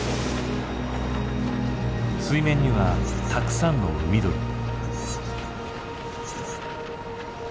水面にはたくさんの海鳥。